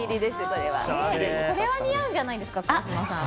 これは似合うんじゃないですか、川島さん。